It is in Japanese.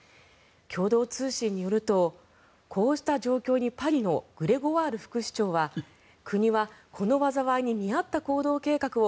共同通信によるとこうした状況にパリのグレゴワール副市長は国はこの災いに見合った行動計画を